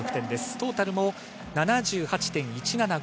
トータル７８．１７５。